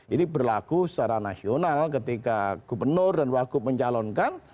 ini berlaku secara nasional ketika gubernur dan wakup menjalankan